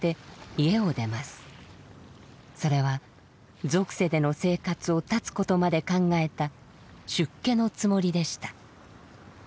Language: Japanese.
それは俗世での生活を絶つことまで考えた出家のつもりでした。